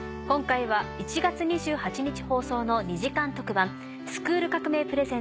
今回は１月２８日放送の２時間特番『スクール革命！